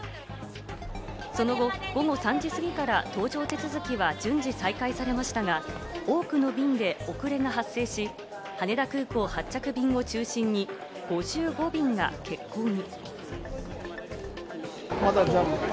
その後、午後３時過ぎから搭乗手続きは順次再開されましたが、多くの便で遅れが発生し、羽田空港発着便を中心に５５便が欠航に。